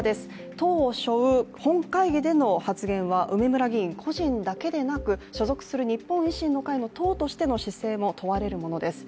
党を背負う本会議での発言は梅村議員個人だけでなく、所属する日本維新の会の党としての姿勢も問われるものです。